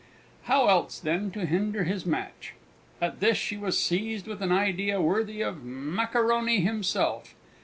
How else, then, to hinder his match? At this she was seized with an idea worthy of Maccaroni himself.